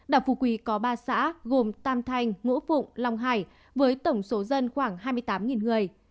đảo phù quỳ có ba xã gồm tam thanh ngũ phụng long hải với tổng số dân khoảng hai mươi tám người